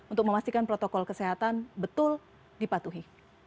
untuk memastikan protokol kesehatan betul dipatuhi